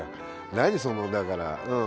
何そのだからうん。